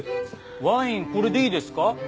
ワインこれでいいですか？